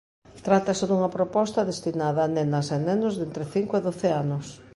Trátase dunha proposta destinada a nenas e nenos de entre cinco e doce anos.